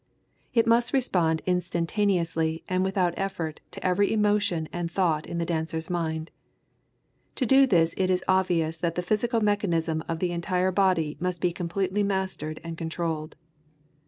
It must respond instantaneously and without effort to every emotion and thought in the dancer's mind. To do this it is obvious that the physical mechanism of the entire body must be completely mastered and controlled.